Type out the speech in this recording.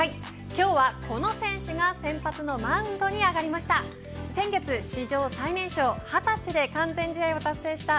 今日はこの選手が先発のマウンドに上がりました。